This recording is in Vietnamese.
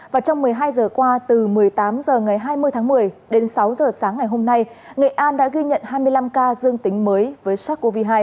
và trong một mươi hai giờ qua từ một mươi tám h ngày hai mươi tháng một mươi đến sáu h sáng ngày hôm nay nghệ an đã ghi nhận hai mươi năm ca dương tính mới với sars cov hai